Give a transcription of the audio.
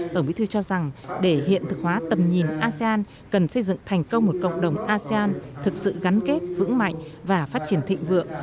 tổng bí thư cho rằng để hiện thực hóa tầm nhìn asean cần xây dựng thành công một cộng đồng asean thực sự gắn kết vững mạnh và phát triển thịnh vượng